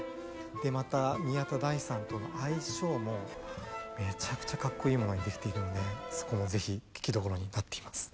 でまた宮田大さんとの相性もめちゃくちゃかっこいいものが出来ているのでそこもぜひ聴きどころになっています。